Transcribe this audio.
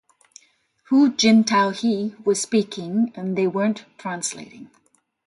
Hu Jintao-He was speaking and they weren't translating.